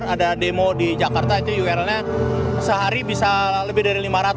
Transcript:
ada demo di jakarta itu ur nya sehari bisa lebih dari lima ratus